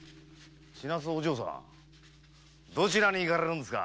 千奈津お嬢さまどちらに行かれるんですか？